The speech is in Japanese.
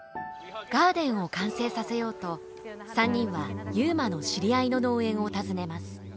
ガーデンを完成させようと３人は悠磨の知り合いの農園を訪ねます。